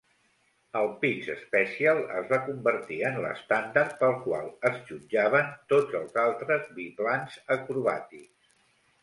El Pitts Special es va convertir en l'estàndard pel qual es jutjaven tots els altres biplans acrobàtics.